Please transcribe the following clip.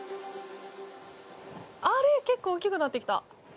あれ結構大きくなってきた。